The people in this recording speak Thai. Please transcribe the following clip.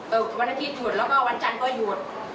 วันอาทิตย์หยุดแล้วก็วันจันทร์ก็หยุด